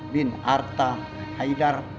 bin arta haidar